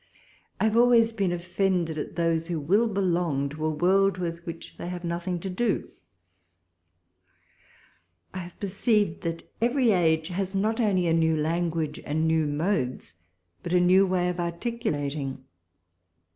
I have always been offended at those who will belong to a world with which they have nothing to do. I have perceived that every age has not only a new language and new modes, but a new way of articulating.